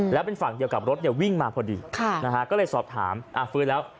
แล้วเป็นฝั่งเดียวกับรถเนี่ยวิ่งมาพอดีก็เลยสอบถามฟื้นแล้ว